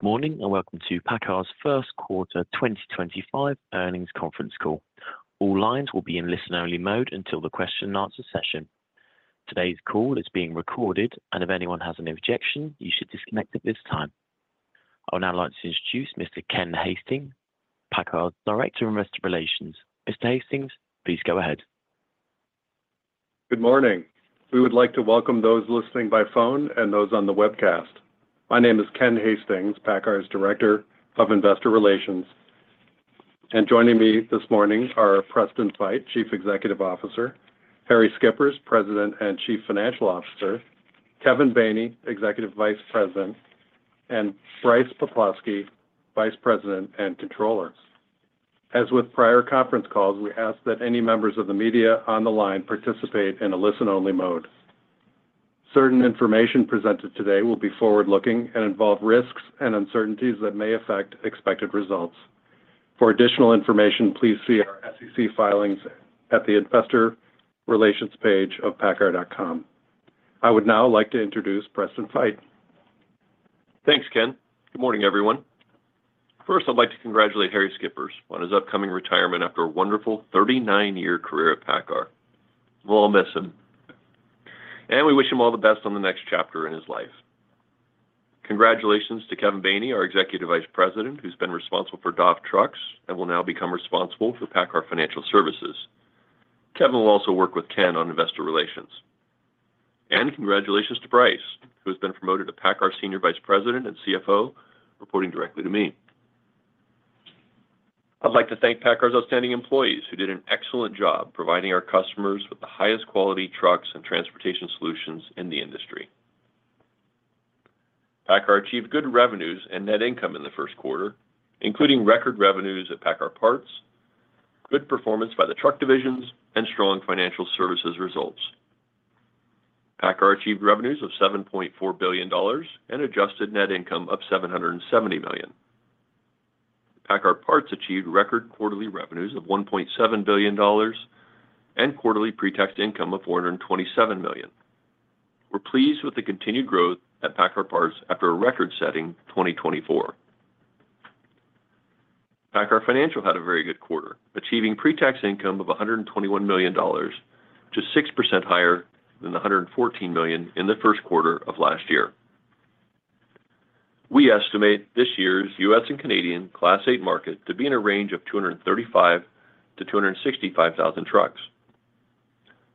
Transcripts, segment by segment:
Morning and welcome to PACCAR's first quarter 2025 earnings conference call. All lines will be in listen-only mode until the question-and-answer session. Today's call is being recorded, and if anyone has an objection, you should disconnect at this time. I would now like to introduce Mr. Ken Hastings, PACCAR's Director of Investor Relations. Mr. Hastings, please go ahead. Good morning. We would like to welcome those listening by phone and those on the webcast. My name is Ken Hastings, PACCAR's Director of Investor Relations. Joining me this morning are Preston Feight, Chief Executive Officer; Harrie Schippers, President and Chief Financial Officer; Kevin Baney, Executive Vice President; and Brice Poplawski, Vice President and Controller. As with prior conference calls, we ask that any members of the media on the line participate in a listen-only mode. Certain information presented today will be forward-looking and involve risks and uncertainties that may affect expected results. For additional information, please see our SEC filings at the Investor Relations page of paccar.com. I would now like to introduce Preston Feight. Thanks, Ken. Good morning, everyone. First, I'd like to congratulate Harrie Schippers on his upcoming retirement after a wonderful 39-year career at PACCAR. We'll all miss him, and we wish him all the best on the next chapter in his life. Congratulations to Kevin Baney, our Executive Vice President, who's been responsible for DAF Trucks and will now become responsible for PACCAR Financial Services. Kevin will also work with Ken on Investor Relations. Congratulations to Brice, who has been promoted to PACCAR Senior Vice President and CFO, reporting directly to me. I'd like to thank PACCAR's outstanding employees who did an excellent job providing our customers with the highest quality trucks and transportation solutions in the industry. PACCAR achieved good revenues and net income in the first quarter, including record revenues at PACCAR Parts, good performance by the truck divisions, and strong financial services results. PACCAR achieved revenues of $7.4 billion and adjusted net income of $770 million. PACCAR Parts achieved record quarterly revenues of $1.7 billion and quarterly pre-tax income of $427 million. We're pleased with the continued growth at PACCAR Parts after a record-setting 2024. PACCAR Financial had a very good quarter, achieving pre-tax income of $121 million, just 6% higher than the $114 million in the first quarter of last year. We estimate this year's U.S. and Canadian Class 8 market to be in a range of 235,000-265,000 trucks.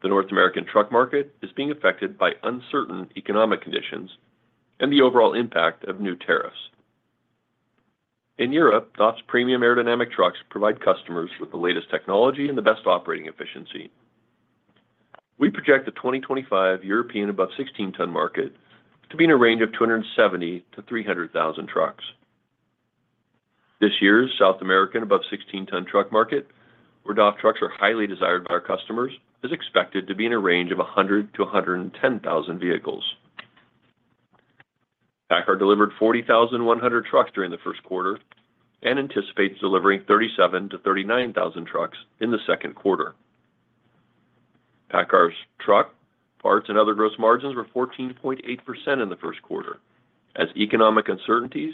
The North American truck market is being affected by uncertain economic conditions and the overall impact of new tariffs. In Europe, DAF's premium aerodynamic trucks provide customers with the latest technology and the best operating efficiency. We project the 2025 European above-16-ton market to be in a range of 270,000-300,000 trucks. This year's South American above-16-ton truck market, where DAF trucks are highly desired by our customers, is expected to be in a range of 100,000-110,000 vehicles. PACCAR delivered 40,100 trucks during the first quarter and anticipates delivering 37,000-39,000 trucks in the second quarter. PACCAR's truck, parts, and other gross margins were 14.8% in the first quarter, as economic uncertainties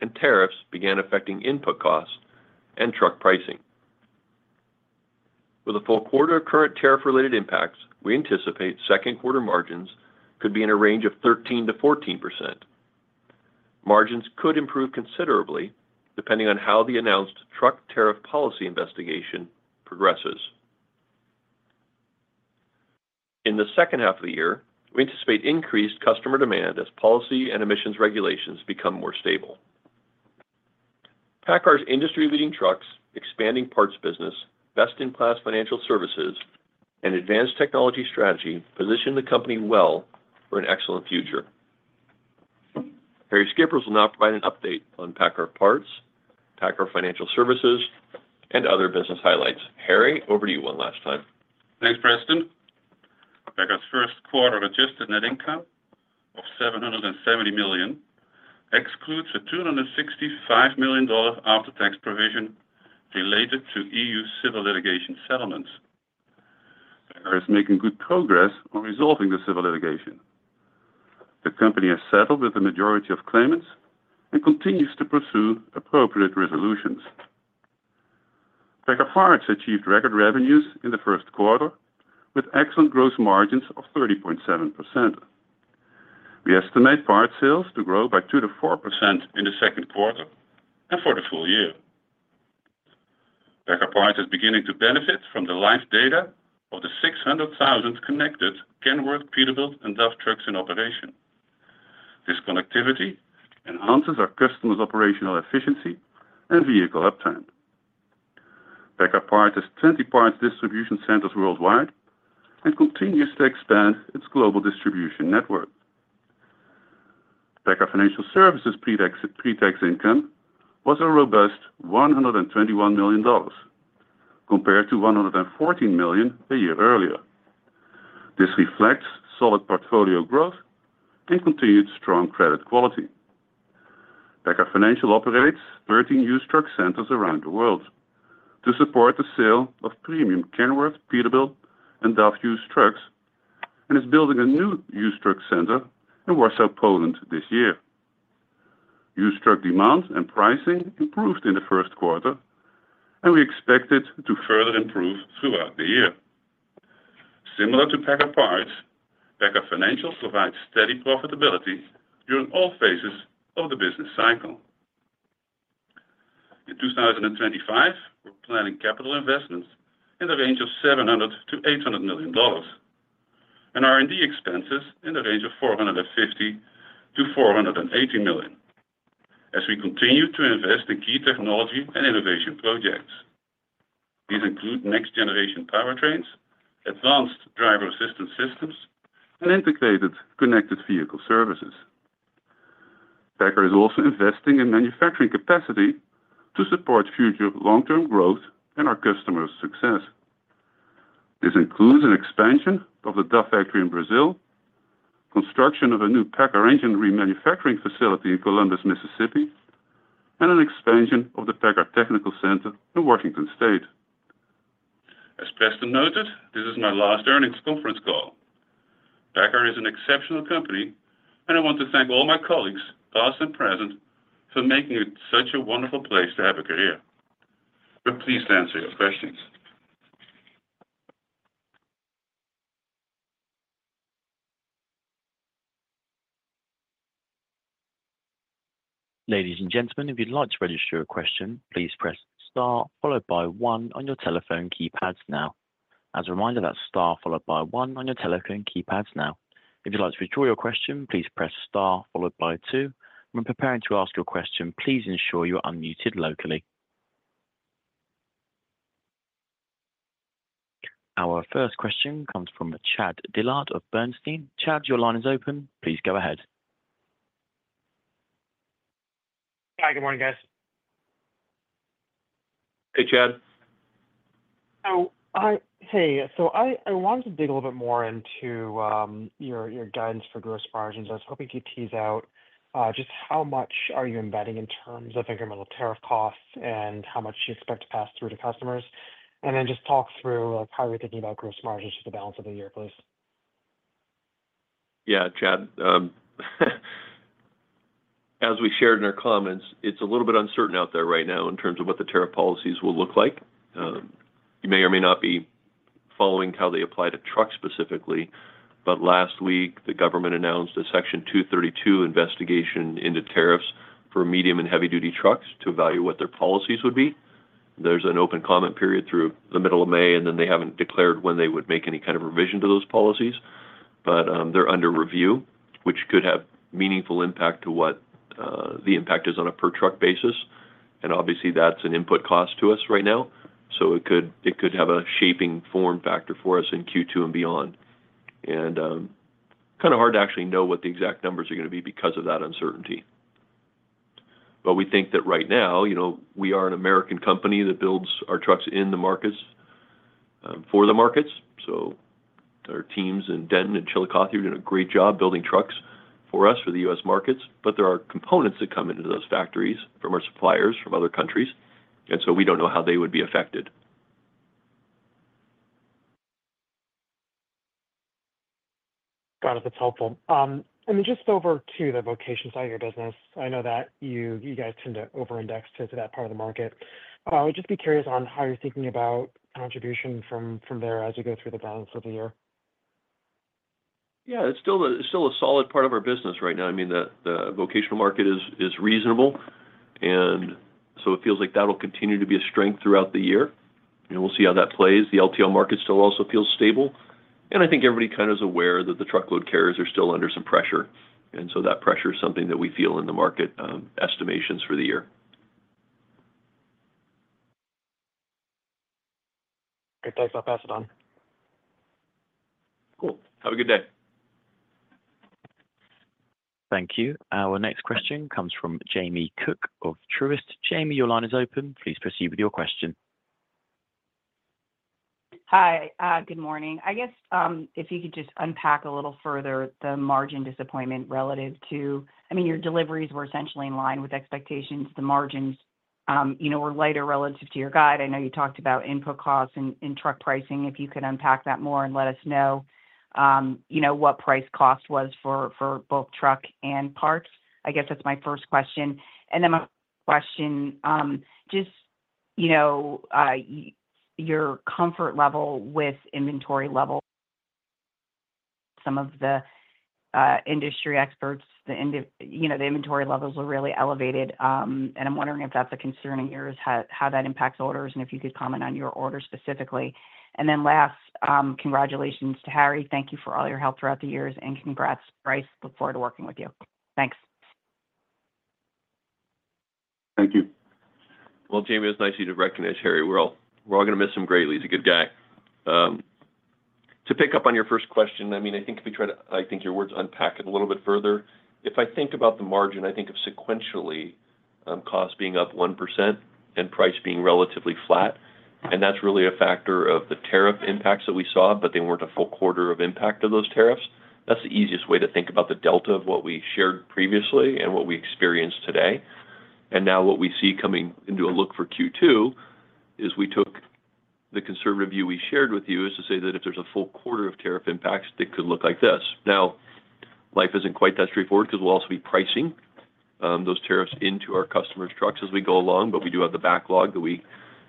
and tariffs began affecting input costs and truck pricing. With a full quarter of current tariff-related impacts, we anticipate second quarter margins could be in a range of 13%-14%. Margins could improve considerably depending on how the announced truck tariff policy investigation progresses. In the second half of the year, we anticipate increased customer demand as policy and emissions regulations become more stable. PACCAR's industry-leading trucks, expanding parts business, best-in-class financial services, and advanced technology strategy position the company well for an excellent future. Harrie Schippers will now provide an update on PACCAR Parts, PACCAR Financial Services, and other business highlights. Harrie, over to you one last time. Thanks, Preston. PACCAR's first quarter adjusted net income of $770 million excludes a $265 million after-tax provision related to EU civil litigation settlements. PACCAR is making good progress on resolving the civil litigation. The company has settled with the majority of claimants and continues to pursue appropriate resolutions. PACCAR Parts achieved record revenues in the first quarter with excellent gross margins of 30.7%. We estimate parts sales to grow by 2%-4% in the second quarter and for the full year. PACCAR Parts is beginning to benefit from the live data of the 600,000 connected Kenworth, Peterbilt, and DAF trucks in operation. This connectivity enhances our customers' operational efficiency and vehicle uptime. PACCAR Parts has 20 parts distribution centers worldwide and continues to expand its global distribution network. PACCAR Financial Services' pre-tax income was a robust $121 million, compared to $114 million a year earlier. This reflects solid portfolio growth and continued strong credit quality. PACCAR Financial operates 13 used truck centers around the world to support the sale of premium Kenworth, Peterbilt, and DAF used trucks and is building a new used truck center in Warsaw, Poland, this year. Used truck demand and pricing improved in the first quarter, and we expect it to further improve throughout the year. Similar to PACCAR Parts, PACCAR Financial provides steady profitability during all phases of the business cycle. In 2025, we're planning capital investments in the range of $700 million-$800 million, and R&D expenses in the range of $450 million-$480 million, as we continue to invest in key technology and innovation projects. These include next-generation powertrains, advanced driver-assistance systems, and integrated connected vehicle services. PACCAR is also investing in manufacturing capacity to support future long-term growth and our customers' success. This includes an expansion of the DAF factory in Brazil, construction of a new PACCAR engine remanufacturing facility in Columbus, Mississippi, and an expansion of the PACCAR Technical Center in Washington State. As Preston noted, this is my last earnings conference call. PACCAR is an exceptional company, and I want to thank all my colleagues, past and present, for making it such a wonderful place to have a career. We're pleased to answer your questions. Ladies and gentlemen, if you'd like to register a question, please press Star followed by one on your telephone keypads now. As a reminder, that's Star followed by one on your telephone keypads now. If you'd like to withdraw your question, please press Star followed by two. When preparing to ask your question, please ensure you're unmuted locally. Our first question comes from Chad Dillard of Bernstein. Chad, your line is open. Please go ahead. Hi, good morning, guys. Hey, Chad. I wanted to dig a little bit more into your guidance for gross margins. I was hoping you could tease out just how much are you embedding in terms of incremental tariff costs and how much you expect to pass through to customers, and then just talk through how you're thinking about gross margins to the balance of the year, please. Yeah, Chad. As we shared in our comments, it's a little bit uncertain out there right now in terms of what the tariff policies will look like. You may or may not be following how they apply to trucks specifically, but last week, the government announced a Section 232 investigation into tariffs for medium and heavy-duty trucks to evaluate what their policies would be. There's an open comment period through the middle of May, and they haven't declared when they would make any kind of revision to those policies, but they're under review, which could have meaningful impact to what the impact is on a per-truck basis. Obviously, that's an input cost to us right now, so it could have a shaping form factor for us in Q2 and beyond. is kind of hard to actually know what the exact numbers are going to be because of that uncertainty. We think that right now, we are an American company that builds our trucks in the markets for the markets. Our teams in Denton and Chillicothe are doing a great job building trucks for us for the U.S. markets, but there are components that come into those factories from our suppliers from other countries, and we do not know how they would be affected. Got it. That's helpful. Just over to the vocation side of your business, I know that you guys tend to over-index to that part of the market. I would just be curious on how you're thinking about contribution from there as you go through the balance of the year. Yeah, it's still a solid part of our business right now. I mean, the vocational market is reasonable, and it feels like that'll continue to be a strength throughout the year. We'll see how that plays. The LTL market still also feels stable, and I think everybody kind of is aware that the truckload carriers are still under some pressure, and that pressure is something that we feel in the market estimations for the year. Good. Thanks for passing on. Cool. Have a good day. Thank you. Our next question comes from Jamie Cook of Truist. Jamie, your line is open. Please proceed with your question. Hi, good morning. I guess if you could just unpack a little further the margin disappointment relative to, I mean, your deliveries were essentially in line with expectations. The margins were lighter relative to your guide. I know you talked about input costs and truck pricing. If you could unpack that more and let us know what price cost was for both truck and parts. I guess that's my first question. My question, just your comfort level with inventory levels. Some of the industry experts, the inventory levels were really elevated, and I'm wondering if that's a concern in yours, how that impacts orders and if you could comment on your orders specifically. Last, congratulations to Harrie. Thank you for all your help throughout the years, and congrats, Brice. Look forward to working with you. Thanks. Thank you. Jamie, it's nice you did recognize Harrie. We're all going to miss him greatly. He's a good guy. To pick up on your first question, I mean, I think if we try to, I think your words, unpack it a little bit further. If I think about the margin, I think of sequentially costs being up 1% and price being relatively flat, and that's really a factor of the tariff impacts that we saw, but they weren't a full quarter of impact of those tariffs. That's the easiest way to think about the delta of what we shared previously and what we experienced today. Now what we see coming into a look for Q2 is we took the conservative view we shared with you as to say that if there's a full quarter of tariff impacts, it could look like this. Now, life isn't quite that straightforward because we'll also be pricing those tariffs into our customers' trucks as we go along, but we do have the backlog that we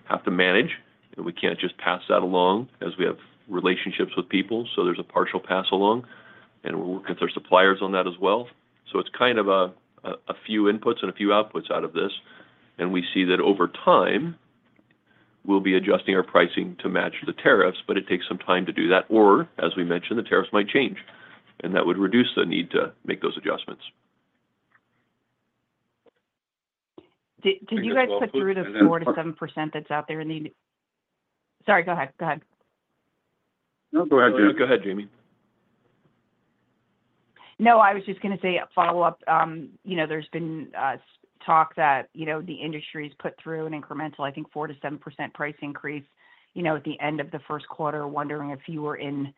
have to manage, and we can't just pass that along as we have relationships with people, so there's a partial pass along, and we're working with our suppliers on that as well. It is kind of a few inputs and a few outputs out of this, and we see that over time, we'll be adjusting our pricing to match the tariffs, but it takes some time to do that, or as we mentioned, the tariffs might change, and that would reduce the need to make those adjustments. Did you guys put through the 4%-7% that's out there in the—sorry, go ahead. Go ahead. No, go ahead, Jamie. No, I was just going to say a follow-up. There's been talk that the industry has put through an incremental, I think, 4%-7% price increase at the end of the first quarter, wondering if you were in,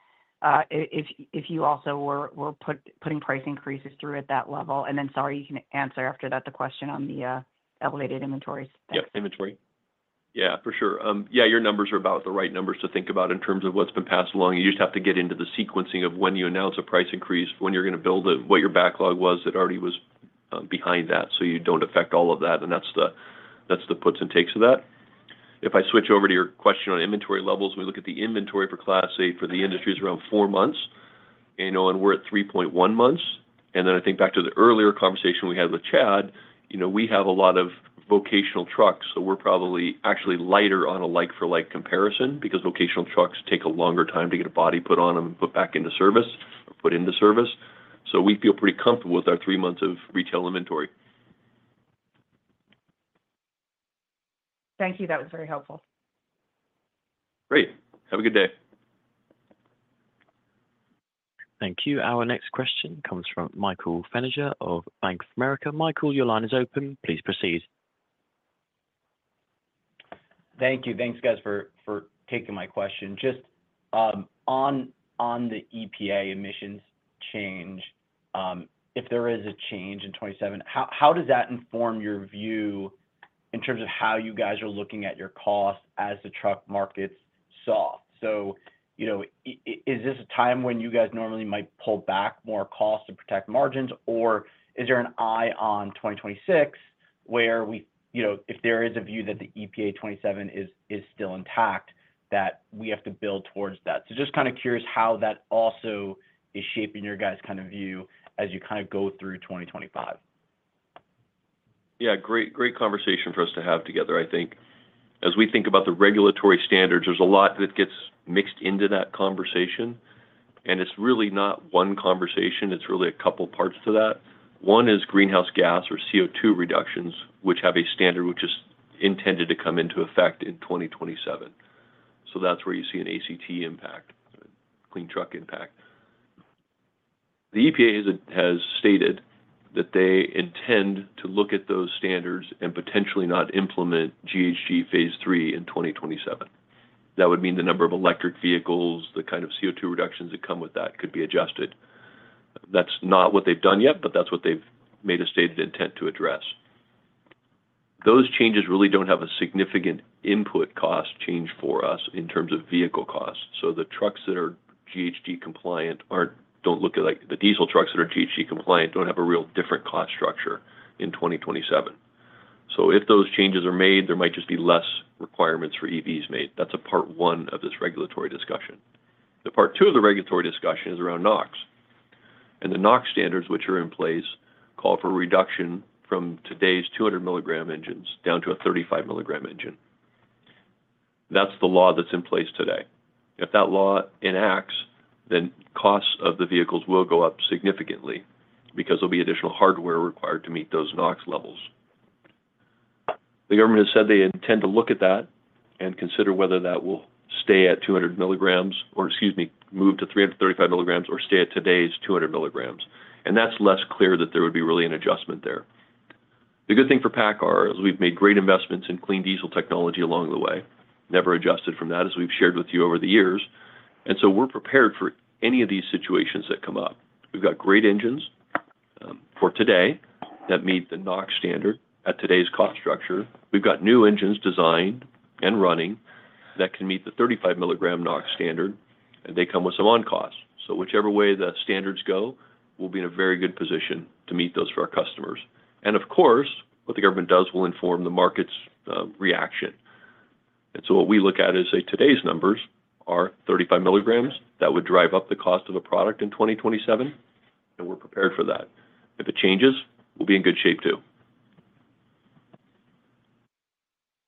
if you also were putting price increases through at that level. Sorry, you can answer after that the question on the elevated inventories. Yep, inventory. Yeah, for sure. Yeah, your numbers are about the right numbers to think about in terms of what's been passed along. You just have to get into the sequencing of when you announce a price increase, when you're going to build it, what your backlog was that already was behind that, so you don't affect all of that, and that's the puts and takes of that. If I switch over to your question on inventory levels, we look at the inventory for Class 8 for the industries around four months, and we're at 3.1 months. I think back to the earlier conversation we had with Chad, we have a lot of vocational trucks, so we're probably actually lighter on a like-for-like comparison because vocational trucks take a longer time to get a body put on them and put back into service or put into service. We feel pretty comfortable with our three months of retail inventory. Thank you. That was very helpful. Great. Have a good day. Thank you. Our next question comes from Michael Feniger of Bank of America. Michael, your line is open. Please proceed. Thank you. Thanks, guys, for taking my question. Just on the EPA emissions change, if there is a change in 2027, how does that inform your view in terms of how you guys are looking at your costs as the truck markets soften? Is this a time when you guys normally might pull back more costs to protect margins, or is there an eye on 2026 where if there is a view that the EPA 2027 is still intact, that we have to build towards that? I am just kind of curious how that also is shaping your guys' kind of view as you kind of go through 2025. Yeah, great conversation for us to have together. I think as we think about the regulatory standards, there's a lot that gets mixed into that conversation, and it's really not one conversation. It's really a couple of parts to that. One is greenhouse gas or CO2 reductions, which have a standard which is intended to come into effect in 2027. That's where you see an ACT impact, clean truck impact. The EPA has stated that they intend to look at those standards and potentially not implement GHG Phase 3 in 2027. That would mean the number of electric vehicles, the kind of CO2 reductions that come with that could be adjusted. That's not what they've done yet, but that's what they've made a stated intent to address. Those changes really don't have a significant input cost change for us in terms of vehicle costs. The trucks that are GHG compliant do not look like the diesel trucks that are GHG compliant do not have a real different cost structure in 2027. If those changes are made, there might just be less requirements for EVs made. That is part one of this regulatory discussion. Part two of the regulatory discussion is around NOx. The NOx standards, which are in place, call for a reduction from today's 200-milligram engines down to a 35-milligram engine. That is the law that is in place today. If that law enacts, then costs of the vehicles will go up significantly because there will be additional hardware required to meet those NOx levels. The government has said they intend to look at that and consider whether that will stay at 200 milligrams or, excuse me, move to 335 milligrams or stay at today's 200 milligrams. That is less clear that there would be really an adjustment there. The good thing for PACCAR is we've made great investments in clean diesel technology along the way, never adjusted from that, as we've shared with you over the years. We are prepared for any of these situations that come up. We've got great engines for today that meet the NOx standard at today's cost structure. We've got new engines designed and running that can meet the 35-milligram NOx standard, and they come with some on-costs. Whichever way the standards go, we will be in a very good position to meet those for our customers. Of course, what the government does will inform the market's reaction. What we look at is, say, today's numbers are 35 milligrams. That would drive up the cost of a product in 2027, and we are prepared for that. If it changes, we'll be in good shape too.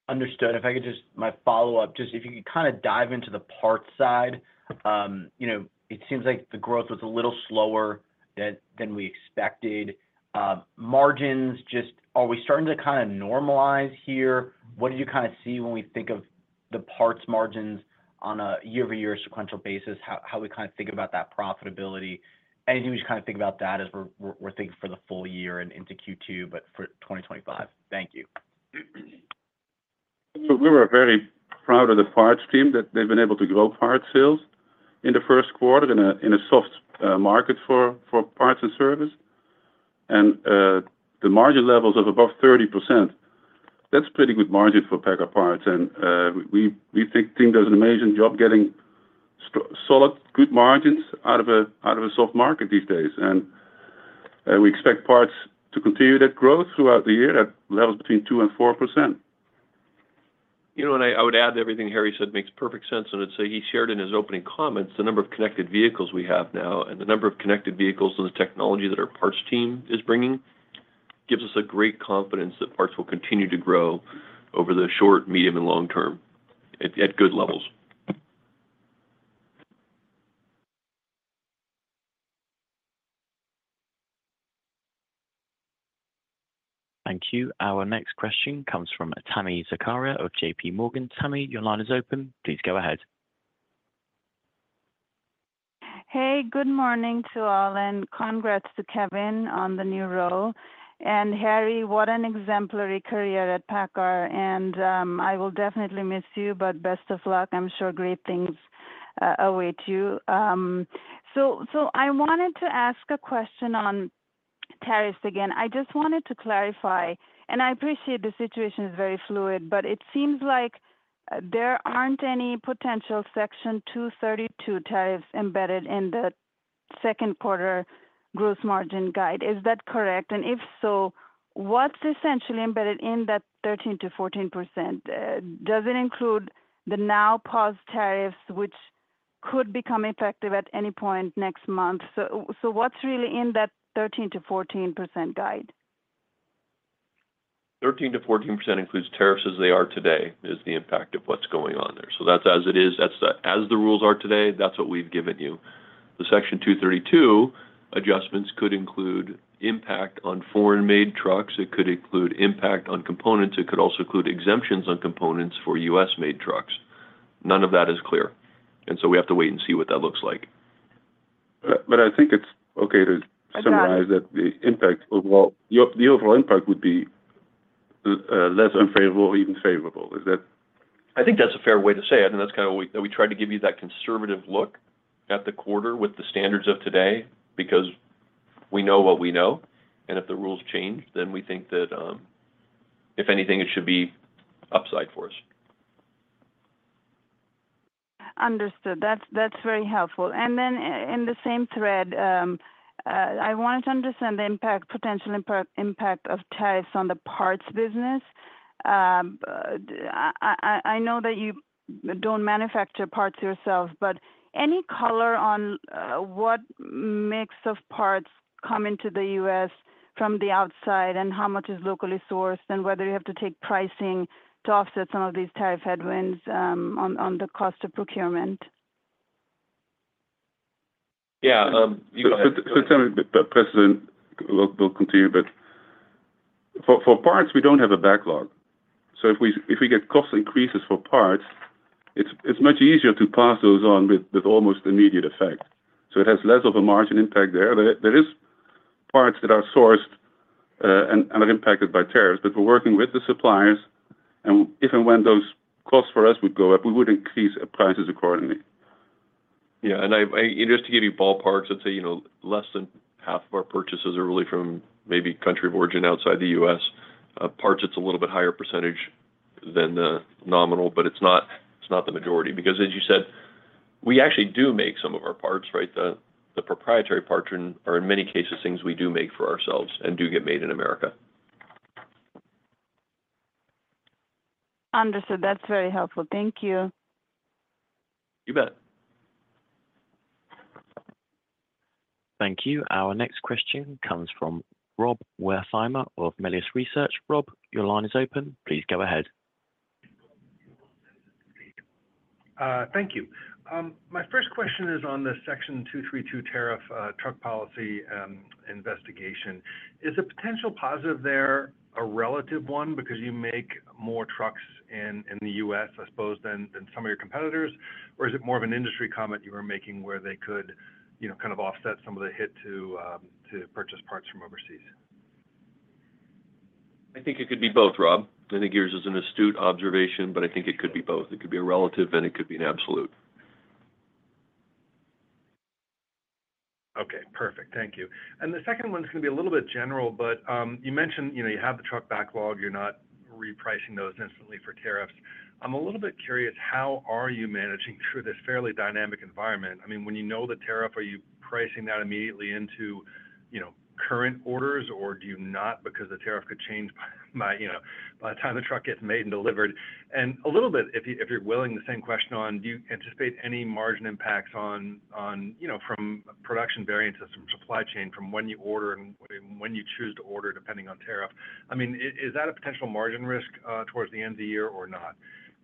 Understood. If I could just—my follow-up, just if you could kind of dive into the parts side, it seems like the growth was a little slower than we expected. Margins, just are we starting to kind of normalize here? What did you kind of see when we think of the parts margins on a year-over-year sequential basis, how we kind of think about that profitability? Anything we should kind of think about that as we're thinking for the full year and into Q2, but for 2025? Thank you. We were very proud of the Parts team that they've been able to grow parts sales in the first quarter in a soft market for parts and service. The margin levels of above 30%, that's a pretty good margin for PACCAR Parts. We think the team does an amazing job getting solid, good margins out of a soft market these days. We expect parts to continue that growth throughout the year at levels between 2% and 4%. You know what? I would add everything Harrie said makes perfect sense. He shared in his opening comments the number of connected vehicles we have now and the number of connected vehicles and the technology that our Parts team is bringing gives us great confidence that parts will continue to grow over the short, medium, and long term at good levels. Thank you. Our next question comes from Tami Zakaria of JP Morgan. Tammy, your line is open. Please go ahead. Hey, good morning to all, and congrats to Kevin on the new role. Harrie, what an exemplary career at PACCAR. I will definitely miss you, but best of luck. I'm sure great things await you. I wanted to ask a question on tariffs again. I just wanted to clarify, and I appreciate the situation is very fluid, but it seems like there are not any potential Section 232 tariffs embedded in the second quarter gross margin guide. Is that correct? If so, what is essentially embedded in that 13%-14%? Does it include the now-paused tariffs, which could become effective at any point next month? What is really in that 13%-14% guide? 13%-14% includes tariffs as they are today. That is the impact of what is going on there. That is as it is. As the rules are today, that is what we have given you. The Section 232 adjustments could include impact on foreign-made trucks. It could include impact on components. It could also include exemptions on components for U.S.-made trucks. None of that is clear. We have to wait and see what that looks like. I think it's okay to summarize that the impact overall, the overall impact would be less unfavorable or even favorable. Is that? I think that's a fair way to say it. That's kind of what we tried to give you, that conservative look at the quarter with the standards of today because we know what we know. If the rules change, then we think that if anything, it should be upside for us. Understood. That's very helpful. In the same thread, I wanted to understand the impact, potential impact of tariffs on the parts business. I know that you don't manufacture parts yourselves, but any color on what mix of parts come into the U.S. from the outside and how much is locally sourced and whether you have to take pricing to offset some of these tariff headwinds on the cost of procurement? Yeah. Tell me, President, we'll continue, but for parts, we don't have a backlog. If we get cost increases for parts, it's much easier to pass those on with almost immediate effect. It has less of a margin impact there. There are parts that are sourced and are impacted by tariffs, but we're working with the suppliers. If and when those costs for us would go up, we would increase prices accordingly. Yeah. Just to give you ballparks, I'd say less than half of our purchases are really from maybe country of origin outside the U.S. Parts, it's a little bit higher percentage than the nominal, but it's not the majority because, as you said, we actually do make some of our parts, right? The proprietary parts are, in many cases, things we do make for ourselves and do get made in America. Understood. That's very helpful. Thank you. You bet. Thank you. Our next question comes from Rob Wertheimer of Melius Research. Rob, your line is open. Please go ahead. Thank you. My first question is on the Section 232 tariff truck policy investigation. Is the potential positive there a relative one because you make more trucks in the U.S., I suppose, than some of your competitors, or is it more of an industry comment you were making where they could kind of offset some of the hit to purchase parts from overseas? I think it could be both, Rob. I think yours is an astute observation, but I think it could be both. It could be a relative, and it could be an absolute. Okay. Perfect. Thank you. The second one's going to be a little bit general, but you mentioned you have the truck backlog. You're not repricing those instantly for tariffs. I'm a little bit curious, how are you managing through this fairly dynamic environment? I mean, when you know the tariff, are you pricing that immediately into current orders, or do you not because the tariff could change by the time the truck gets made and delivered? A little bit, if you're willing, the same question on, do you anticipate any margin impacts from production variances from supply chain from when you order and when you choose to order depending on tariff? I mean, is that a potential margin risk towards the end of the year or not?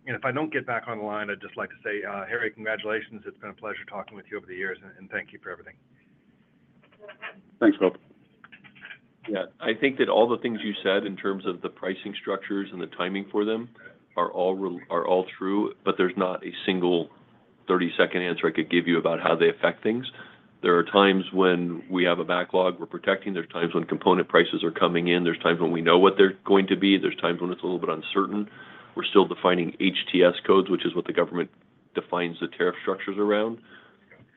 If I don't get back on the line, I'd just like to say, "Harrie, congratulations. It's been a pleasure talking with you over the years, and thank you for everything. Thanks, Rob. Yeah. I think that all the things you said in terms of the pricing structures and the timing for them are all true, but there's not a single 30-second answer I could give you about how they affect things. There are times when we have a backlog we're protecting. There are times when component prices are coming in. There are times when we know what they're going to be. There are times when it's a little bit uncertain. We're still defining HTS codes, which is what the government defines the tariff structures around.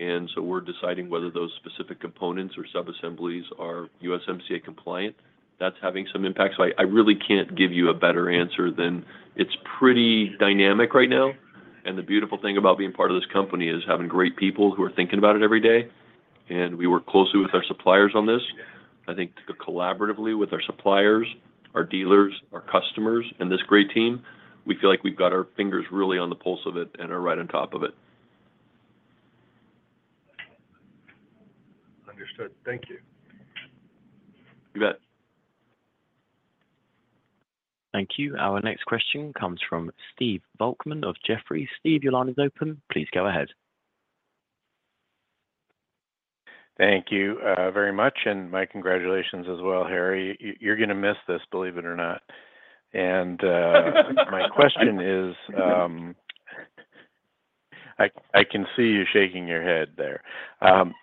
We are deciding whether those specific components or subassemblies are USMCA compliant. That's having some impact. I really can't give you a better answer than it's pretty dynamic right now. The beautiful thing about being part of this company is having great people who are thinking about it every day. We work closely with our suppliers on this. I think collaboratively with our suppliers, our dealers, our customers, and this great team, we feel like we've got our fingers really on the pulse of it and are right on top of it. Understood. Thank you. You bet. Thank you. Our next question comes from Steve Volkmann of Jefferies. Steve, your line is open. Please go ahead. Thank you very much. My congratulations as well, Harrie. You're going to miss this, believe it or not. My question is, I can see you shaking your head there.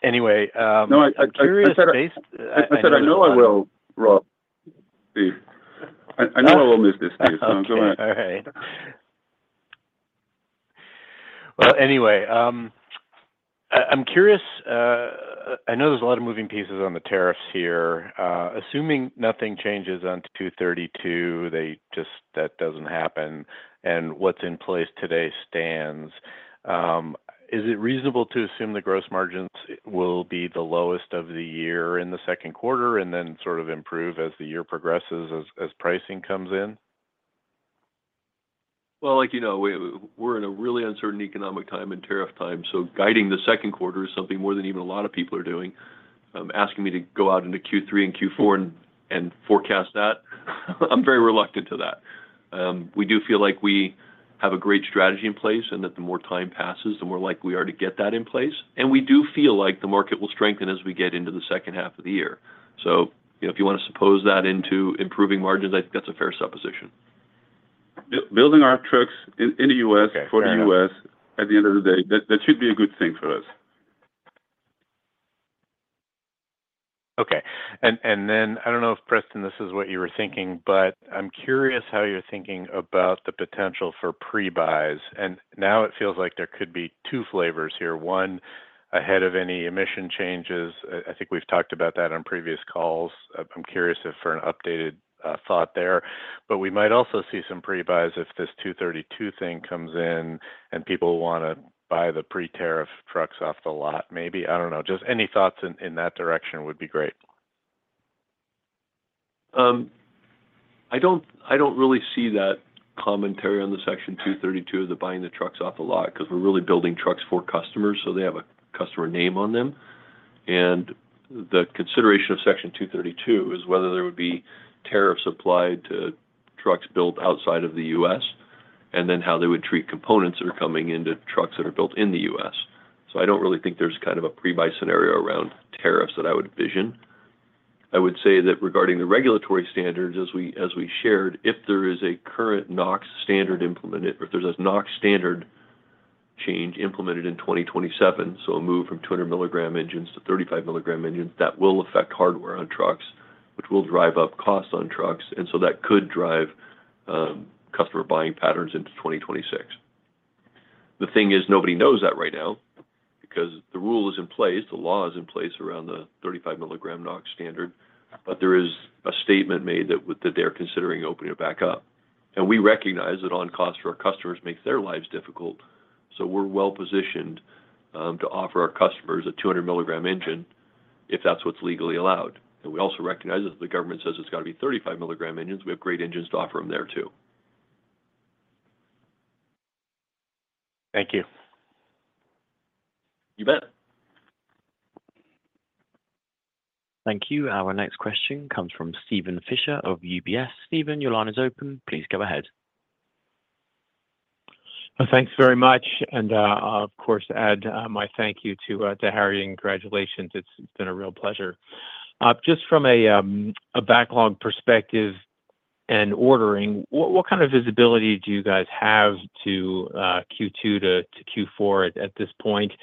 Anyway. No, I'm curious. I said I know I will, Rob. I know I will miss this too. I'm going to. I'm curious. I know there's a lot of moving pieces on the tariffs here. Assuming nothing changes on 232, that doesn't happen. And what's in place today stands. Is it reasonable to assume the gross margins will be the lowest of the year in the second quarter and then sort of improve as the year progresses as pricing comes in? Like you know, we're in a really uncertain economic time and tariff time. Guiding the second quarter is something more than even a lot of people are doing. Asking me to go out into Q3 and Q4 and forecast that, I'm very reluctant to do that. We do feel like we have a great strategy in place and that the more time passes, the more likely we are to get that in place. We do feel like the market will strengthen as we get into the second half of the year. If you want to suppose that into improving margins, I think that's a fair supposition. Building our trucks in the U.S. for the U.S. at the end of the day, that should be a good thing for us. Okay. I do not know if, Preston, this is what you were thinking, but I am curious how you are thinking about the potential for pre-buys. Now it feels like there could be two flavors here. One, ahead of any emission changes. I think we have talked about that on previous calls. I am curious if there is an updated thought there. We might also see some pre-buys if this 232 thing comes in and people want to buy the pre-tariff trucks off the lot maybe. I do not know. Just any thoughts in that direction would be great. I don't really see that commentary on the Section 232 of the buying the trucks off the lot because we're really building trucks for customers. They have a customer name on them. The consideration of Section 232 is whether there would be tariffs applied to trucks built outside of the U.S. and then how they would treat components that are coming into trucks that are built in the U.S. I don't really think there's kind of a pre-buy scenario around tariffs that I would envision. I would say that regarding the regulatory standards, as we shared, if there is a current NOx standard implemented, if there's a NOx standard change implemented in 2027, a move from 200-milligram engines to 35-milligram engines, that will affect hardware on trucks, which will drive up costs on trucks. That could drive customer buying patterns into 2026. The thing is, nobody knows that right now because the rule is in place. The law is in place around the 35-milligram NOx standard. There is a statement made that they're considering opening it back up. We recognize that on costs for our customers makes their lives difficult. We are well-positioned to offer our customers a 200-milligram engine if that's what's legally allowed. We also recognize that if the government says it's got to be 35-milligram engines, we have great engines to offer them there too. Thank you. You bet. Thank you. Our next question comes from Stephen Fisher of UBS. Stephen, your line is open. Please go ahead. Thanks very much. Of course, add my thank you to Harrie and congratulations. It's been a real pleasure. Just from a backlog perspective and ordering, what kind of visibility do you guys have to Q2 to Q4 at this point?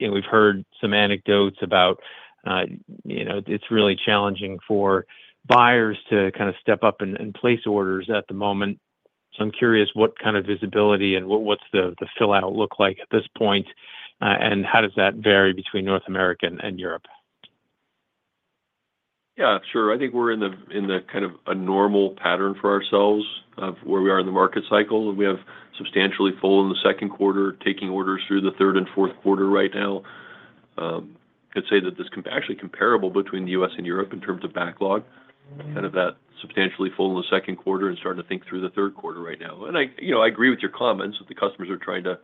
We've heard some anecdotes about it's really challenging for buyers to kind of step up and place orders at the moment. I'm curious what kind of visibility and what's the fill-out look like at this point, and how does that vary between North America and Europe? Yeah, sure. I think we're in kind of a normal pattern for ourselves of where we are in the market cycle. We have substantially full in the second quarter, taking orders through the third and fourth quarter right now. I'd say that this can be actually comparable between the U.S. and Europe in terms of backlog, kind of that substantially full in the second quarter and starting to think through the third quarter right now. I agree with your comments that the customers are trying to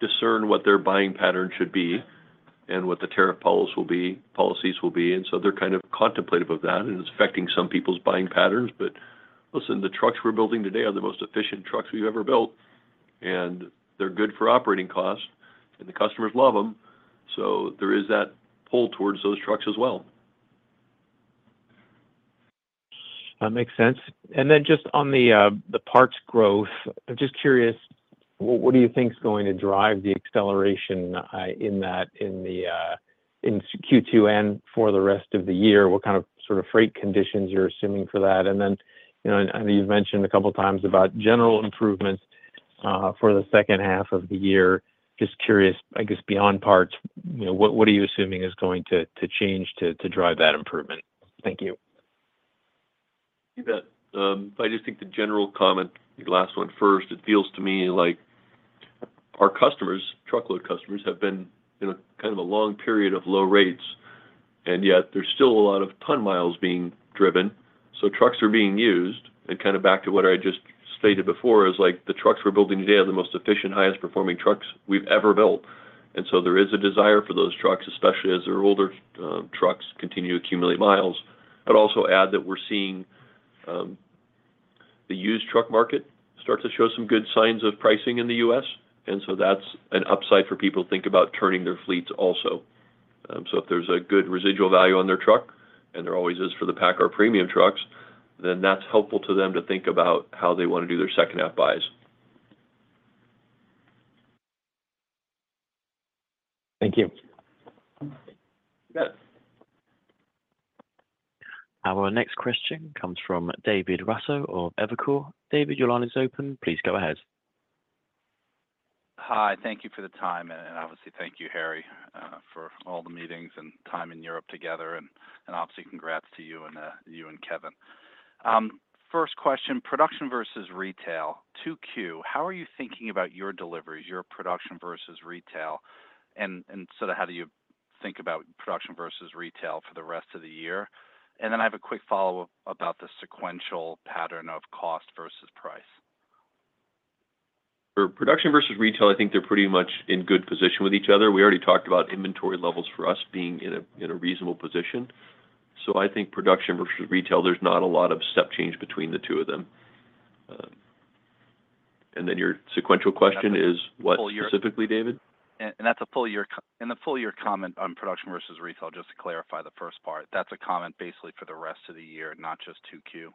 discern what their buying pattern should be and what the tariff policies will be. They are kind of contemplative of that, and it's affecting some people's buying patterns. Listen, the trucks we're building today are the most efficient trucks we've ever built, and they're good for operating costs, and the customers love them. There is that pull towards those trucks as well. That makes sense. Just on the parts growth, I'm just curious, what do you think is going to drive the acceleration in Q2 and for the rest of the year? What kind of sort of freight conditions you're assuming for that? I know you've mentioned a couple of times about general improvements for the second half of the year. Just curious, I guess, beyond parts, what are you assuming is going to change to drive that improvement? Thank you. You bet. I just think the general comment, the last one first, it feels to me like our customers, truckload customers, have been in a kind of a long period of low rates, yet there's still a lot of ton-miles being driven. Trucks are being used. Kind of back to what I just stated before is the trucks we're building today are the most efficient, highest-performing trucks we've ever built. There is a desire for those trucks, especially as their older trucks continue to accumulate miles. I'd also add that we're seeing the used truck market start to show some good signs of pricing in the U.S. That's an upside for people to think about turning their fleets also. If there's a good residual value on their truck, and there always is for the PACCAR premium trucks, then that's helpful to them to think about how they want to do their second-half buys. Thank you. You bet. Our next question comes from David Raso of Evercore. David, your line is open. Please go ahead. Hi. Thank you for the time. Obviously, thank you, Harrie, for all the meetings and time in Europe together. Obviously, congrats to you and you and Kevin. First question, production versus retail, 2Q. How are you thinking about your deliveries, your production versus retail? How do you think about production versus retail for the rest of the year? I have a quick follow-up about the sequential pattern of cost versus price. For production versus retail, I think they're pretty much in good position with each other. We already talked about inventory levels for us being in a reasonable position. I think production versus retail, there's not a lot of step change between the two of them. Your sequential question is what specifically, David? That's a full-year comment on production versus retail, just to clarify the first part. That's a comment basically for the rest of the year, not just 2Q.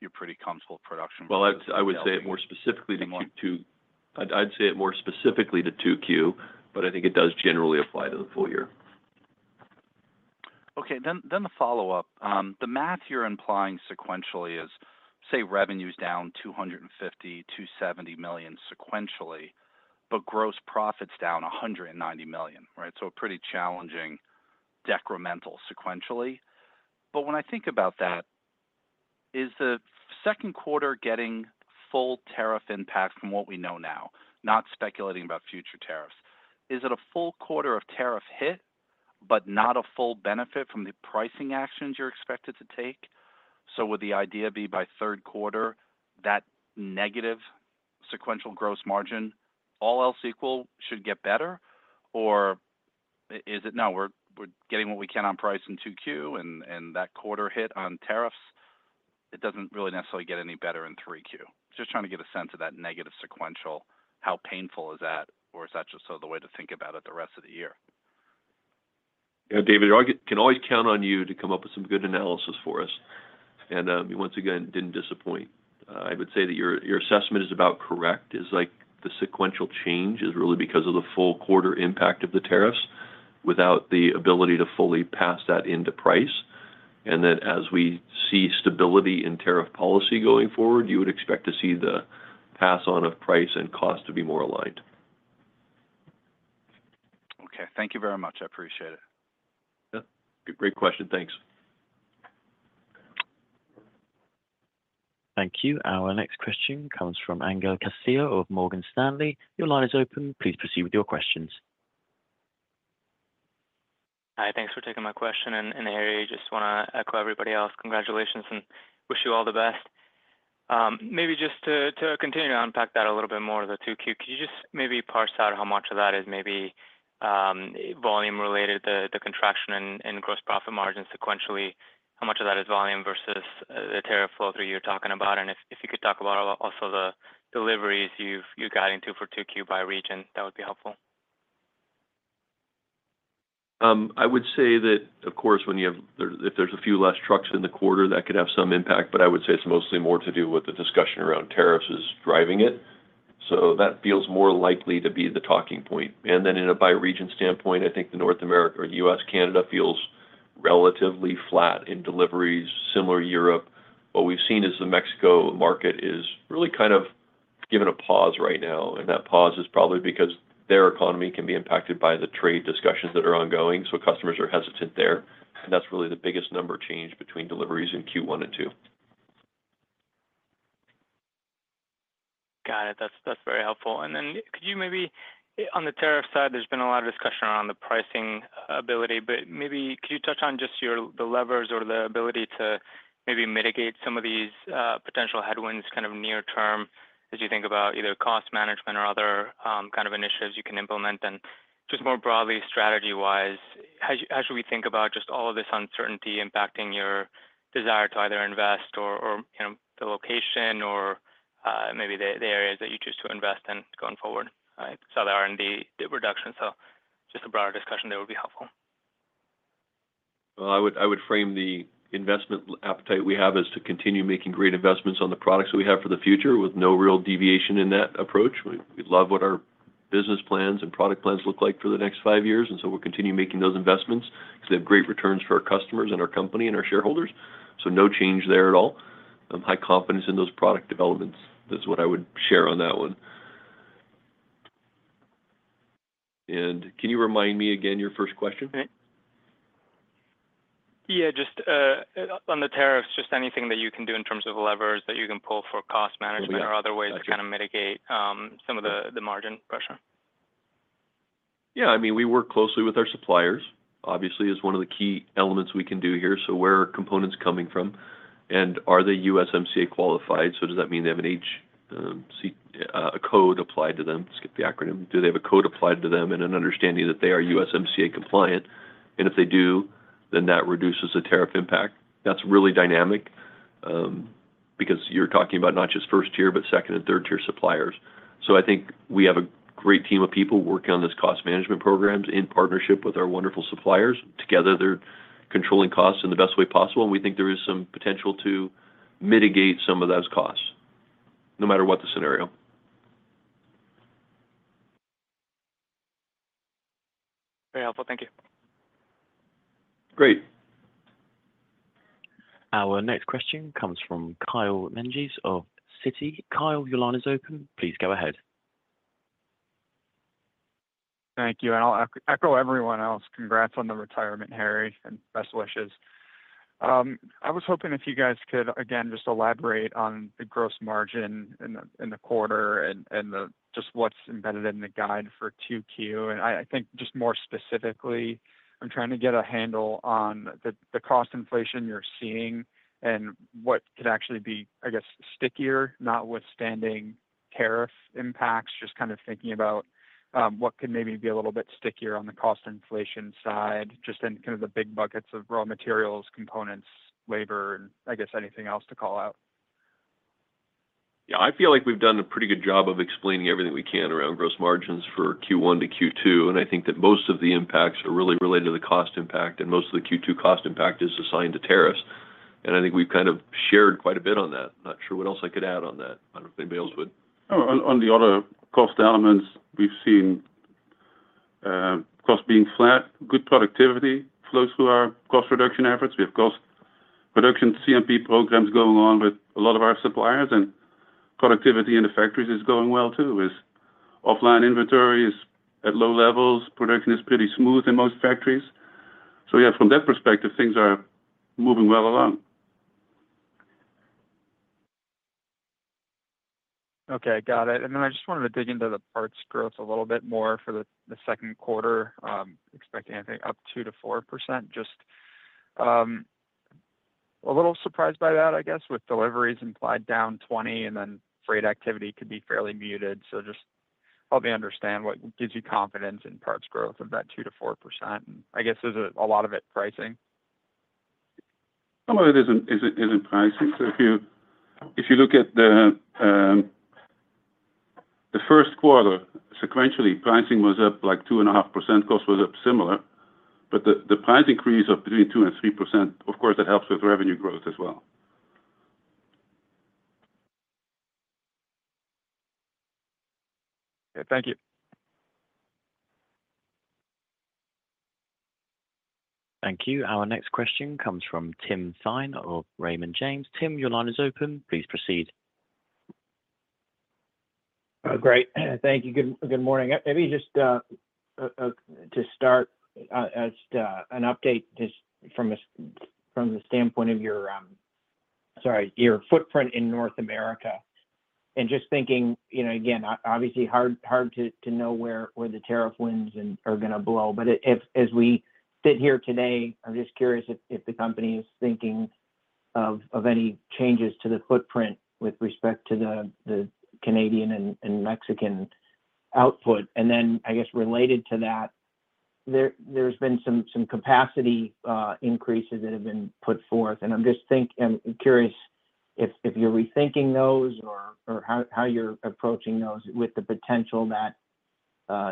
You're pretty comfortable with production. I would say it more specifically to 2Q. I'd say it more specifically to 2Q, but I think it does generally apply to the full year. Okay. The follow-up. The math you're implying sequentially is, say, revenues down $250 million-$270 million sequentially, but gross profits down $190 million, right? A pretty challenging decremental sequentially. When I think about that, is the second quarter getting full tariff impact from what we know now, not speculating about future tariffs? Is it a full quarter of tariff hit, but not a full benefit from the pricing actions you're expected to take? Would the idea be by third quarter, that negative sequential gross margin, all else equal, should get better? Or is it, no, we're getting what we can on price in 2Q, and that quarter hit on tariffs, it doesn't really necessarily get any better in 3Q? Just trying to get a sense of that negative sequential. How painful is that? Is that just sort of the way to think about it the rest of the year? Yeah, David, I can always count on you to come up with some good analysis for us. Once again, didn't disappoint. I would say that your assessment is about correct, as the sequential change is really because of the full quarter impact of the tariffs without the ability to fully pass that into price. As we see stability in tariff policy going forward, you would expect to see the pass-on of price and cost to be more aligned. Okay. Thank you very much. I appreciate it. Yeah. Great question. Thanks. Thank you. Our next question comes from Angel Castillo of Morgan Stanley. Your line is open. Please proceed with your questions. Hi. Thanks for taking my question. Harrie, I just want to echo everybody else. Congratulations and wish you all the best. Maybe just to continue to unpack that a little bit more, the 2Q, could you just maybe parse out how much of that is maybe volume-related, the contraction in gross profit margins sequentially, how much of that is volume versus the tariff flow through you're talking about? If you could talk about also the deliveries you're guiding to for 2Q by region, that would be helpful. I would say that, of course, if there's a few less trucks in the quarter, that could have some impact. I would say it's mostly more to do with the discussion around tariffs is driving it. That feels more likely to be the talking point. In a by-region standpoint, I think the North America or U.S., Canada feels relatively flat in deliveries, similar to Europe. What we've seen is the Mexico market is really kind of given a pause right now. That pause is probably because their economy can be impacted by the trade discussions that are ongoing. Customers are hesitant there. That's really the biggest number change between deliveries in Q1 and Q2. Got it. That's very helpful. Could you maybe, on the tariff side, there's been a lot of discussion around the pricing ability, but maybe could you touch on just the levers or the ability to maybe mitigate some of these potential headwinds kind of near-term as you think about either cost management or other kind of initiatives you can implement? Just more broadly, strategy-wise, how should we think about just all of this uncertainty impacting your desire to either invest or the location or maybe the areas that you choose to invest in going forward, right? The R&D reduction. Just a broader discussion there would be helpful. I would frame the investment appetite we have as to continue making great investments on the products that we have for the future with no real deviation in that approach. We love what our business plans and product plans look like for the next five years. We will continue making those investments because they have great returns for our customers and our company and our shareholders. No change there at all. High confidence in those product developments. That is what I would share on that one. Can you remind me again your first question? Yeah. Just on the tariffs, just anything that you can do in terms of levers that you can pull for cost management or other ways to kind of mitigate some of the margin pressure. Yeah. I mean, we work closely with our suppliers. Obviously, it's one of the key elements we can do here. Where are components coming from? And are they USMCA qualified? Does that mean they have a code applied to them? Skip the acronym. Do they have a code applied to them in an understanding that they are USMCA compliant? If they do, then that reduces the tariff impact. That's really dynamic because you're talking about not just first-tier, but second and third-tier suppliers. I think we have a great team of people working on these cost management programs in partnership with our wonderful suppliers. Together, they're controlling costs in the best way possible. We think there is some potential to mitigate some of those costs, no matter what the scenario. Very helpful. Thank you. Great. Our next question comes from Kyle Menges of Citi. Kyle, your line is open. Please go ahead. Thank you. I'll echo everyone else. Congrats on the retirement, Harrie, and best wishes. I was hoping if you guys could, again, just elaborate on the gross margin in the quarter and just what's embedded in the guide for 2Q. I think just more specifically, I'm trying to get a handle on the cost inflation you're seeing and what could actually be, I guess, stickier, notwithstanding tariff impacts, just kind of thinking about what could maybe be a little bit stickier on the cost inflation side, just in kind of the big buckets of raw materials, components, labor, and I guess anything else to call out. Yeah. I feel like we've done a pretty good job of explaining everything we can around gross margins for Q1 to Q2. I think that most of the impacts are really related to the cost impact, and most of the Q2 cost impact is assigned to tariffs. I think we've kind of shared quite a bit on that. I'm not sure what else I could add on that. I don't know if anybody else would. On the other cost elements, we've seen costs being flat, good productivity flows through our cost reduction efforts. We have cost reduction CMP programs going on with a lot of our suppliers, and productivity in the factories is going well too. Offline inventory is at low levels. Production is pretty smooth in most factories. From that perspective, things are moving well along. Okay. Got it. I just wanted to dig into the parts growth a little bit more for the second quarter, expecting I think up 2-4%. Just a little surprised by that, I guess, with deliveries implied down 20, and then freight activity could be fairly muted. Just help me understand what gives you confidence in parts growth of that 2-4%. I guess is it a lot of it pricing? Some of it isn't pricing. If you look at the first quarter, sequentially, pricing was up like 2.5%. Cost was up similar. The price increase of between 2% and 3%, of course, that helps with revenue growth as well. Okay. Thank you. Thank you. Our next question comes from Tim Thien of Raymond James. Tim, your line is open. Please proceed. Great. Thank you. Good morning. Maybe just to start, just an update from the standpoint of your footprint in North America. Just thinking, again, obviously hard to know where the tariff winds are going to blow. As we sit here today, I'm just curious if the company is thinking of any changes to the footprint with respect to the Canadian and Mexican output. I guess, related to that, there have been some capacity increases that have been put forth. I'm just curious if you're rethinking those or how you're approaching those with the potential that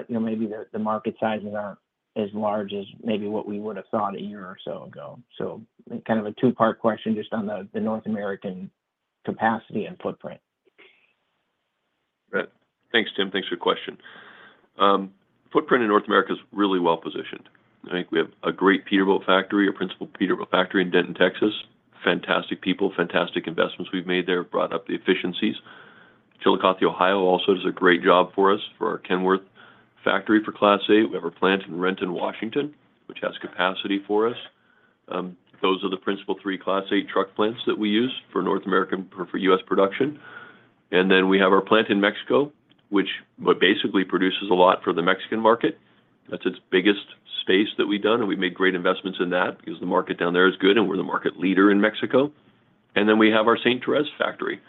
maybe the market sizes aren't as large as what we would have thought a year or so ago. Kind of a two-part question just on the North American capacity and footprint. Thanks, Tim. Thanks for the question. Footprint in North America is really well positioned. I think we have a great Peterbilt factory, a principal Peterbilt factory in Denton, Texas. Fantastic people, fantastic investments we've made there, brought up the efficiencies. Chillicothe, Ohio also does a great job for us for our Kenworth factory for Class 8. We have a plant in Renton, Washington, which has capacity for us. Those are the principal three Class 8 truck plants that we use for North America for U.S. production. We have our plant in Mexico, which basically produces a lot for the Mexican market. That's its biggest space that we've done. We've made great investments in that because the market down there is good, and we're the market leader in Mexico. We have our Sainte-Thérèse factory,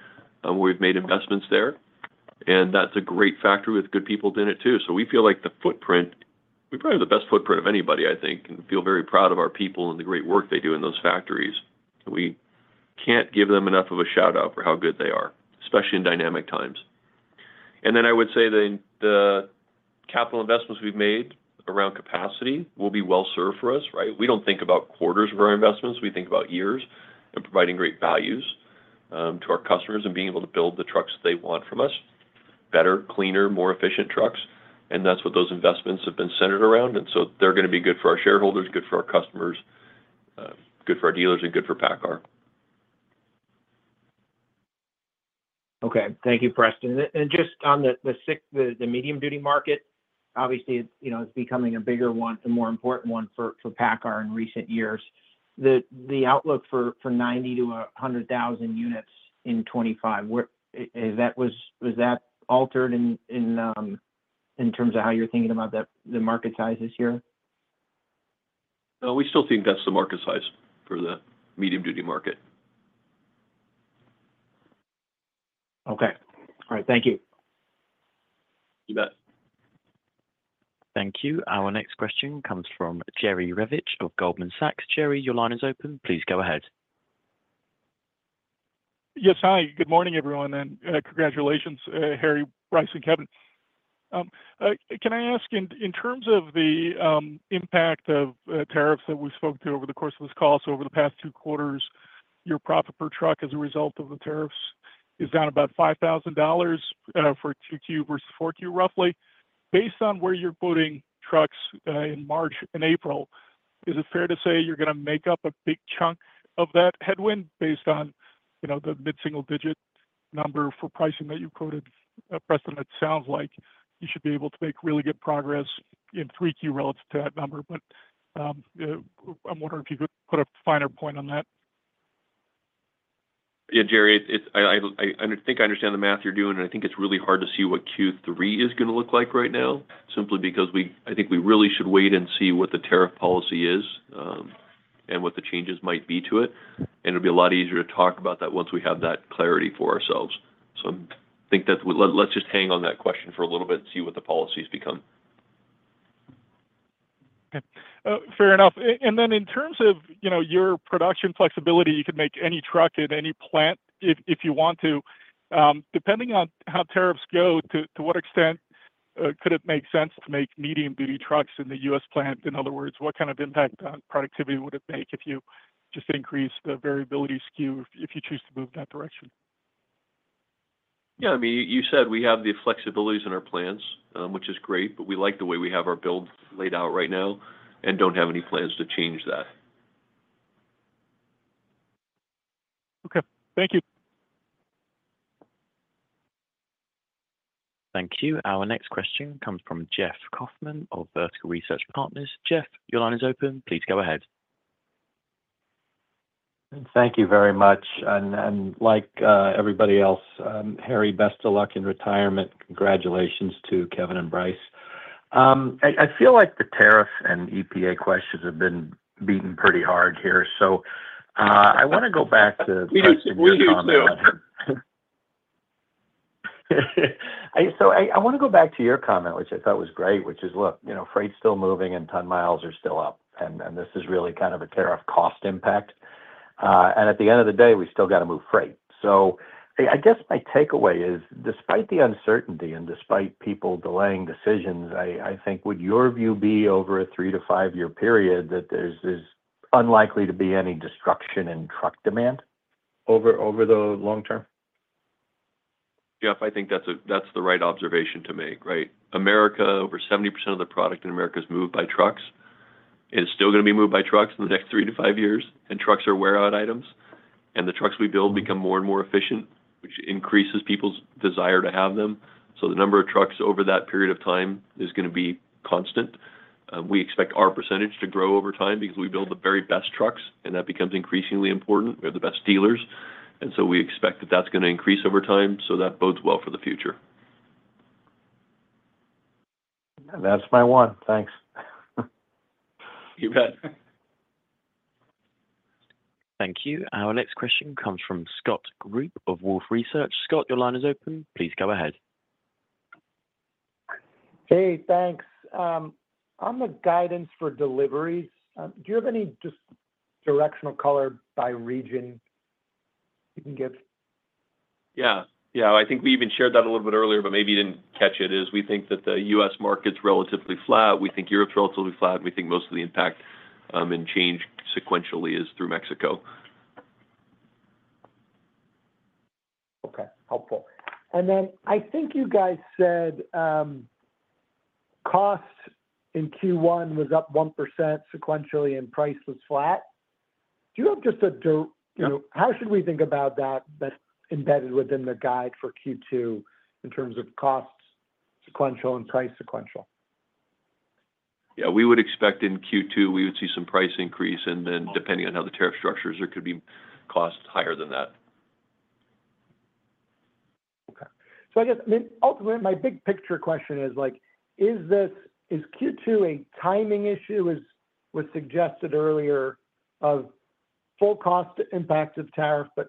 where we've made investments there. That is a great factory with good people in it too. We feel like the footprint, we probably have the best footprint of anybody, I think, and feel very proud of our people and the great work they do in those factories. We cannot give them enough of a shout-out for how good they are, especially in dynamic times. I would say the capital investments we have made around capacity will be well served for us, right? We do not think about quarters of our investments. We think about years and providing great values to our customers and being able to build the trucks that they want from us, better, cleaner, more efficient trucks. That is what those investments have been centered around. They are going to be good for our shareholders, good for our customers, good for our dealers, and good for PACCAR. Okay. Thank you, Preston. Just on the medium-duty market, obviously, it is becoming a bigger one and more important one for PACCAR in recent years. The outlook for 90,000 to 100,000 units in 2025, was that altered in terms of how you are thinking about the market sizes here? We still think that's the market size for the medium-duty market. Okay. All right. Thank you. You bet. Thank you. Our next question comes from Jerry Revich of Goldman Sachs. Jerry, your line is open. Please go ahead. Yes. Hi. Good morning, everyone. Congratulations, Harrie, Brice, and Kevin. Can I ask, in terms of the impact of tariffs that we spoke to over the course of this call, over the past two quarters, your profit per truck as a result of the tariffs is down about $5,000 for 2Q versus 4Q, roughly. Based on where you're quoting trucks in March and April, is it fair to say you're going to make up a big chunk of that headwind based on the mid-single-digit number for pricing that you quoted, Preston? It sounds like you should be able to make really good progress in 3Q relative to that number. I'm wondering if you could put a finer point on that. Yeah, Jerry, I think I understand the math you're doing. I think it's really hard to see what Q3 is going to look like right now, simply because I think we really should wait and see what the tariff policy is and what the changes might be to it. It'll be a lot easier to talk about that once we have that clarity for ourselves. I think that let's just hang on that question for a little bit and see what the policies become. Okay. Fair enough. In terms of your production flexibility, you could make any truck at any plant if you want to. Depending on how tariffs go, to what extent could it make sense to make medium-duty trucks in the U.S. plant? In other words, what kind of impact on productivity would it make if you just increase the variability SKU if you choose to move in that direction? Yeah. I mean, you said we have the flexibilities in our plans, which is great. We like the way we have our builds laid out right now and do not have any plans to change that. Okay. Thank you. Thank you. Our next question comes from Jeff Kauffman of Vertical Research Partners. Jeff, your line is open. Please go ahead. Thank you very much. Like everybody else, Harrie, best of luck in retirement. Congratulations to Kevin and Brice. I feel like the tariffs and EPA questions have been beaten pretty hard here. I want to go back to. We need to do that. I want to go back to your comment, which I thought was great, which is, look, freight's still moving and ton miles are still up. This is really kind of a tariff cost impact. At the end of the day, we still got to move freight. I guess my takeaway is, despite the uncertainty and despite people delaying decisions, I think, would your view be over a three to five-year period that there's unlikely to be any destruction in truck demand over the long term? Jeff, I think that's the right observation to make, right? America, over 70% of the product in America is moved by trucks. It is still going to be moved by trucks in the next three to five years. Trucks are wear-out items. The trucks we build become more and more efficient, which increases people's desire to have them. The number of trucks over that period of time is going to be constant. We expect our percentage to grow over time because we build the very best trucks, and that becomes increasingly important. We have the best dealers. We expect that that's going to increase over time. That bodes well for the future. That's my one. Thanks. You bet. Thank you. Our next question comes from Scott Group of Wolfe Research. Scott, your line is open. Please go ahead. Hey, thanks. On the guidance for deliveries, do you have any just directional color by region you can give? Yeah. Yeah. I think we even shared that a little bit earlier, but maybe you didn't catch it, is we think that the U.S. market's relatively flat. We think Europe's relatively flat. We think most of the impact and change sequentially is through Mexico. Okay. Helpful. I think you guys said cost in Q1 was up 1% sequentially and price was flat. Do you have just a—how should we think about that that's embedded within the guide for Q2 in terms of cost sequential and price sequential? Yeah. We would expect in Q2, we would see some price increase. Depending on how the tariff structures are, it could be cost higher than that. Okay. I guess, I mean, ultimately, my big picture question is, is Q2 a timing issue, as was suggested earlier, of full cost impact of tariff, but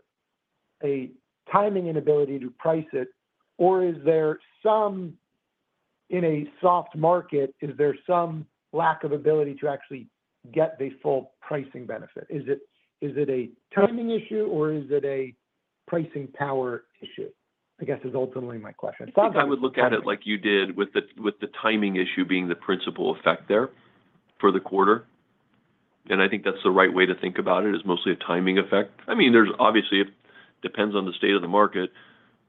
a timing inability to price it? Or is there some—in a soft market, is there some lack of ability to actually get the full pricing benefit? Is it a timing issue, or is it a pricing power issue? I guess is ultimately my question. I think I would look at it like you did with the timing issue being the principal effect there for the quarter. I think that's the right way to think about it, is mostly a timing effect. I mean, obviously, it depends on the state of the market.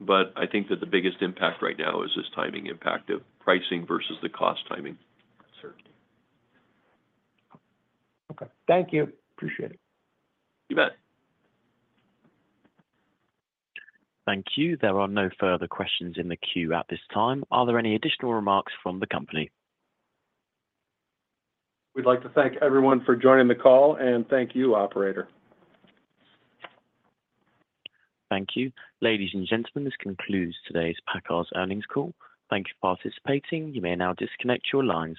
I think that the biggest impact right now is this timing impact of pricing versus the cost timing. Certainly. Okay. Thank you. Appreciate it. You bet. Thank you. There are no further questions in the queue at this time. Are there any additional remarks from the company? We'd like to thank everyone for joining the call. Thank you, operator. Thank you. Ladies and gentlemen, this concludes today's PACCAR's earnings call. Thank you for participating. You may now disconnect your lines.